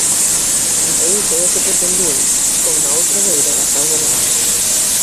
E iso é o que pretendín con Na outra beira das augas grandes.